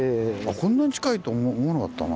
こんなに近いと思わなかったな。